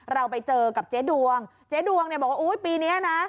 เราไปเจอกับเจ๊ดวงเจ๊ดวงเนี่ยบอกว่าอุ้ยปีนี้นะ